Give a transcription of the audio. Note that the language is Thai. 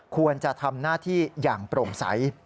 ควรจะทำหน้าที่อย่างโปร่งใส